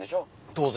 当然。